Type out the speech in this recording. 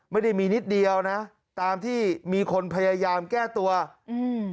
ไม่ได้มีนิดเดียวนะตามที่มีคนพยายามแก้ตัวอืม